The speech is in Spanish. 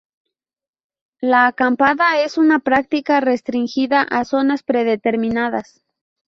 La acampada es una práctica restringidas a zonas predeterminadas.